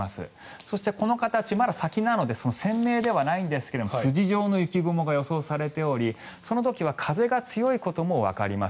そして、この形、まだ先なので鮮明ではないんですが筋状の雪雲が予想されておりその時は風が強いこともわかります。